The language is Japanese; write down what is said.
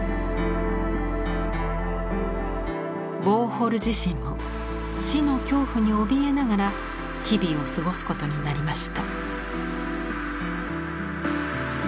ウォーホル自身も死の恐怖におびえながら日々を過ごすことになりました。